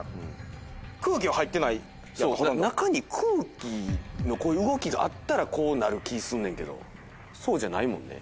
そう中に空気のこういう動きがあったらこうなる気すんねんけどそうじゃないもんね。